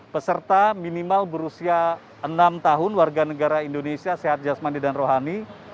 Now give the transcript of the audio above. peserta minimal berusia enam tahun warga negara indonesia sehat jasmandi dan rohani